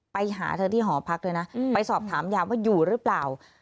ไปหาเธอที่หอพักด้วยนะไปสอบถามยามว่าอยู่หรือเปล่า